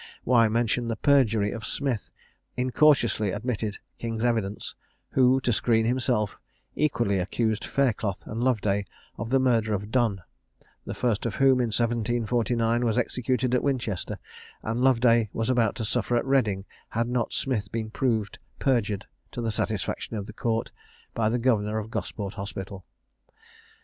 Why mention the perjury of Smith, incautiously admitted king's evidence: who, to screen himself, equally accused Faircloth and Loveday of the murder of Dun; the first of whom, in 1749, was executed at Winchester; and Loveday was about to suffer at Reading, had not Smith been proved perjured, to the satisfaction of the Court, by the governor of Gosport hospital?